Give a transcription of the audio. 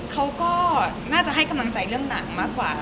เขาก็น่าจะให้กำลังใจเรื่องหนังมากกว่า